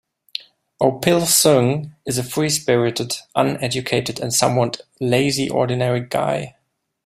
Oh Pil-seung is a free-spirited, uneducated and somewhat lazy ordinary guy.